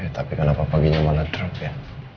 tapi kenapa paginya malah drop ya